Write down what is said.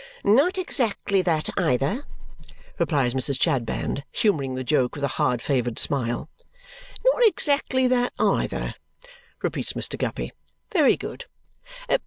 "Not exactly that, either," replies Mrs. Chadband, humouring the joke with a hard favoured smile. "Not exactly that, either!" repeats Mr. Guppy. "Very good.